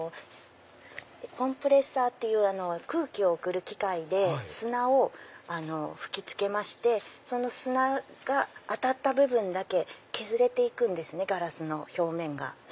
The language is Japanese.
コンプレッサーっていう空気を送る機械で砂を吹き付けましてその砂が当たった部分だけ削れていくんですガラスの表面。